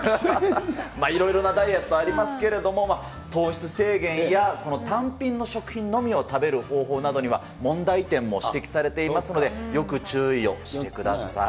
いろいろなダイエットありますけれども、糖質制限や、この単品の食品のみを食べる方法などには、問題点も指摘されていますので、よく注意をしてください。